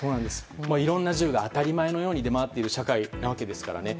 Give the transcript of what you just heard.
いろんな銃が当たり前のように出回っている社会ですからね